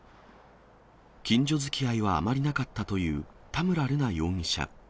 近所づきあいはあまりなかったという田村瑠奈容疑者。